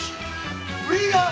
ウィーアー。